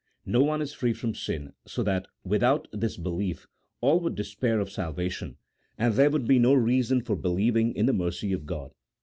No one is free from sin, so that without this belief all would despair of salvation, and there would be no reason for believing in the mercy of God.